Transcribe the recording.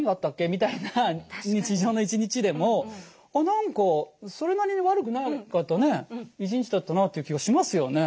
みたいな日常の一日でも「あっ何かそれなりに悪くなかったね一日だったな」っていう気がしますよね。